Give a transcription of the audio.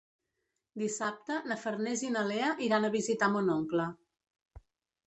Dissabte na Farners i na Lea iran a visitar mon oncle.